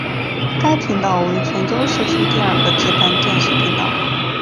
该频道为泉州市区第二个自办电视频道。